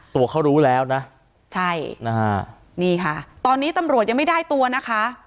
ตัวเขารู้แล้วนะใช่นะฮะนี่ค่ะตอนนี้ตำรวจยังไม่ได้ตัวนะคะ